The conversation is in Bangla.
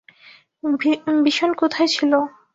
বিষন কোথায় ছিল?